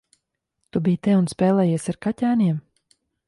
Tu biji te un spēlējies ar kaķēniem?